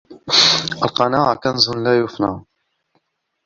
القناعة كنز لا يفنى